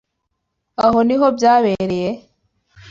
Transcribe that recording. Aho niho byabereye?